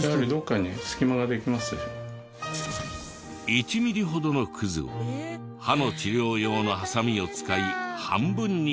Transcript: １ミリほどのクズを歯の治療用のハサミを使い半分にカット。